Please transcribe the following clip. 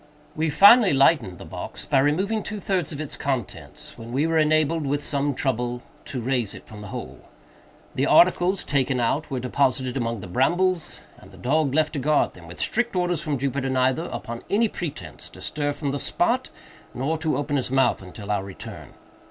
We, finally, lightened the box by removing two thirds of its contents, when we were enabled, with some trouble, to raise it from the hole. The articles taken out were deposited among the brambles, and the dog left to guard them, with strict orders from Jupiter neither, upon any pretence, to stir from the spot, nor to open his mouth until our return.